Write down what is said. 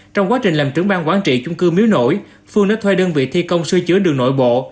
trong quá trình làm trưởng bang quản trị chung cư miếu nổi phương đã thuê đơn vị thi công sư chứa đường nội bộ